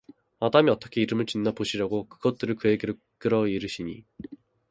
아담이 어떻게 이름을 짓나 보시려고 그것들을 그에게로 이끌어 이르시니